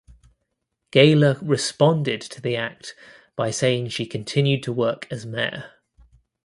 Gaylor responded to the act by saying she continued to work as mayor.